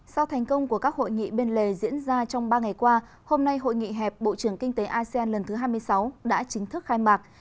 sau thành công của các hội nghị bên lề diễn ra trong ba ngày qua hôm nay hội nghị hẹp bộ trưởng kinh tế asean lần thứ hai mươi sáu đã chính thức khai mạc